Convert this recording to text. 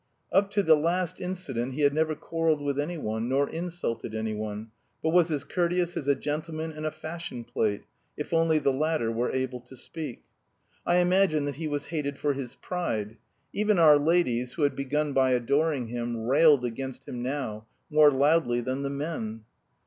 Up to the last incident he had never quarrelled with anyone, nor insulted anyone, but was as courteous as a gentleman in a fashion plate, if only the latter were able to speak. I imagine that he was hated for his pride. Even our ladies, who had begun by adoring him, railed against him now, more loudly than the men.